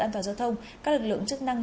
an toàn giao thông các lực lượng chức năng